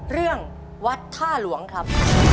เรื่องวัดท่าหลวงครับ